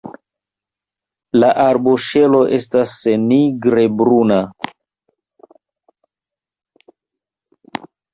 La arboŝelo estas nigre bruna.